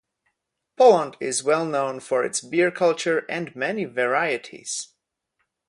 Poland is well known for its beer culture and many varieties.